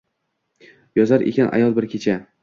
Yozar ekan ayol bir kecha